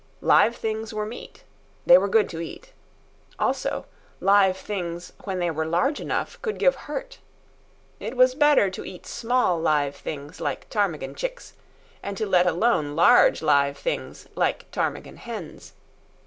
Live things were meat. They were good to eat. Also, live things when they were large enough, could give hurt. It was better to eat small live things like ptarmigan chicks, and to let alone large live things like ptarmigan hens.